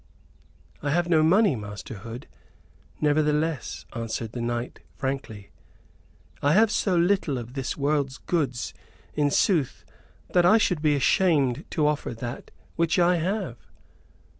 "I have no money, Master Hood, nevertheless," answered the knight, frankly. "I have so little of this world's goods in sooth that I should be ashamed to offer that which I have."